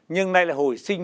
nhưng nay là hồi sáng